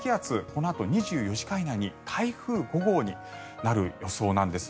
このあと２４時間以内に台風５号になる予想なんです。